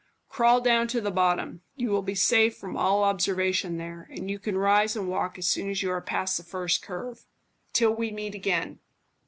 Crawl down to the bottom; you will be safe from all observation there, and you can rise and walk as soon as you are past the first curve. Till we meet again."